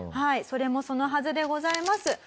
それもそのはずでございます。